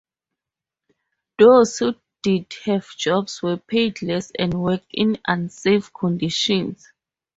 Those who did have jobs were paid less and worked in unsafe conditions.